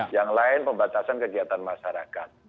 yang lain pembatasan kegiatan masyarakat